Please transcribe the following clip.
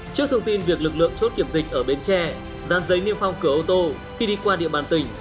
trước thông tin việc lực lượng chốt kiểm dịch ở bến tre gian giấy niêm phong cửa ô tô khi đi qua địa bàn tỉnh